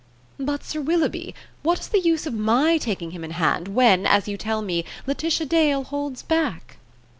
"But, Sir Willoughby, what is the use of my taking him in hand when, as you tell me, Laetitia Dale holds back?"